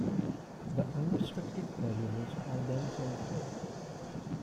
The unrestricted variables are then solved for.